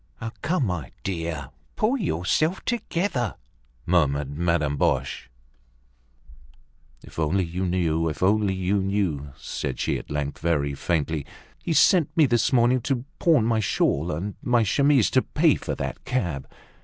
"Come, my dear, pull yourself together!" murmured Madame Boche. "If you only knew! If you only knew!" said she at length very faintly. "He sent me this morning to pawn my shawl and my chemises to pay for that cab."